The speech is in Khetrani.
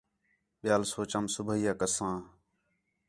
ٻِیال سوچام صُبیح آ کساں